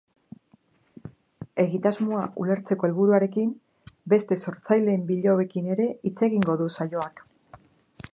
Egitasmoa ulertzeko helburuarekin, beste sortzaileen bilobekin ere hitz egingo du saioak.